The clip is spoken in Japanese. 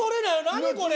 何これ？